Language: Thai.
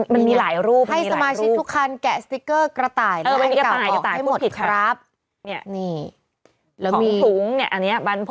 มันมีหลายรูปให้สมาชิกทุกคันแกะสติกเกอร์กระต่ายและแก่กล่องออกให้หมดครับ